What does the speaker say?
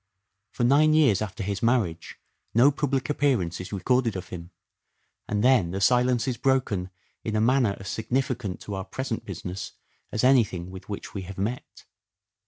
For nine years after his marriage no public appearance is recorded of him ; and then the silence is broken in a manner as significant to our present business as anything with which we have met.